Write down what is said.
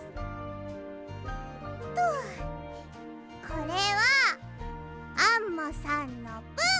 これはアンモさんのぶん！